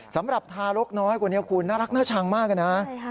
สำหรับทารกน้อยคนนี้คุณน่ารักน่าชังมากนะ